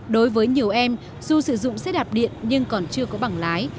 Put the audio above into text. đối với nhiều em dù sử dụng xe đạp điện nhưng còn chưa có bảng lái